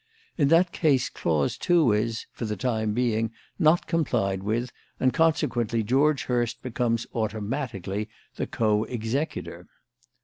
In that case clause two is for the time being not complied with, and consequently George Hurst becomes, automatically, the co executor.